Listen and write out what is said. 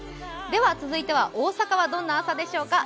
続いては大阪はどんな朝でしょうか。